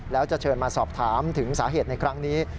แล้วจะเชิญมาสอบถามถึงสาเหตุในครั้งนี้